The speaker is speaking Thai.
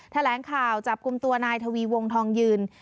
แถลงข่าวจับกลุ่มตัวนายทวีวงทองยืน